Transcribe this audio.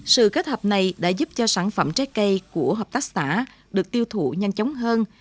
sự kết hợp này đã giúp cho sản phẩm trái cây của hợp tác xã được tiêu thụ nhanh chóng hơn